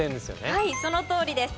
はいそのとおりです。